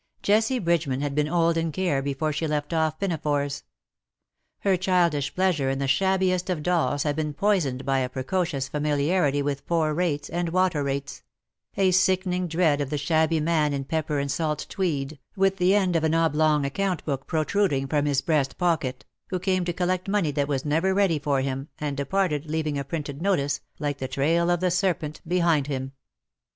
Jessie Bridgeman had been old in care before she left off pinafores. Her childish pleasure in the shabbiest of dolls had been poisoned by a precocious familiarity with poor rates, and water rates — a sickening dread of the shabby man in pepper and salt tweed, with the end of an oblong account book protruding from his breast pocket, wdio came to collect money that was never ready for him_, and departed, leaving a printed notice, like the trail of the serpent; behind him.